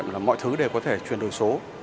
là hai trăm hai mươi hai tám tỷ đồng